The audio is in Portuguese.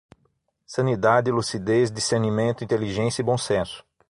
Sanidade, lucidez, discernimento, inteligência e bom senso